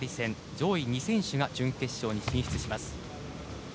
上位２選手が準決勝に進みます。